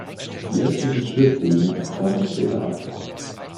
Die östlichen Schwibbögen brachen später ab.